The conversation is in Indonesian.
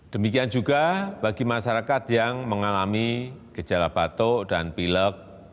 demikian juga bagi masyarakat yang mengalami gejala batuk dan pilek